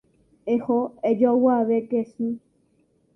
Eho ejoguave kesu.